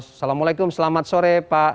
assalamualaikum selamat sore pak